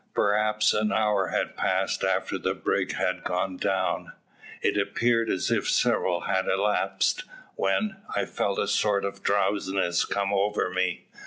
Perhaps an hour had passed after the brig had gone down it appeared as if several had elapsed when I felt a sort of drowsiness come over me.